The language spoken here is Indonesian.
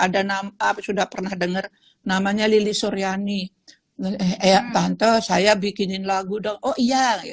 ada nama sudah pernah dengar namanya lili suryani eh tante saya bikinin lagu dong oh iya